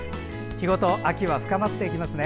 日ごと、秋は深まっていきますね。